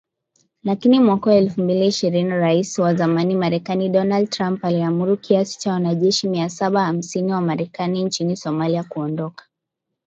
Lakini mwaka wa elfu mbili ishirini Rais wa zamani Marekani Donald Trump aliamuru kiasi cha wanajeshi mia saba hamsini wa Marekani nchini Somalia kuondoka.